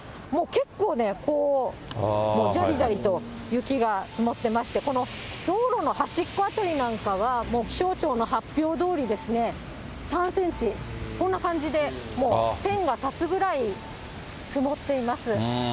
もう結構ね、じゃりじゃりと雪が積もってまして、この道路の端っこ辺りなんかは、もう気象庁の発表どおり３センチ、こんな感じでもう、ペンが立つぐらい積もっています。